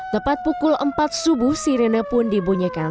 dapat pukul empat subuh sirene pun dibunyikan